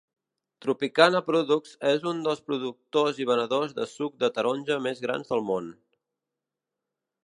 Tropicana Products és un dels productors i venedors de suc de taronja més grans del món.